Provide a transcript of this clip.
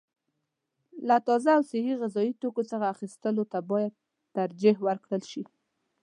له تازه او صحي غذايي توکو څخه اخیستلو ته باید ترجیح ورکړل شي.